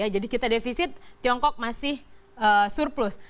jadi kita defisit tiongkok masih surplus